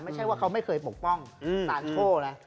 ไม่ใช่ว่าเขาไม่เคยปกป้องสารโชคนะ